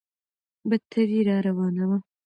بدتري راروانه وه.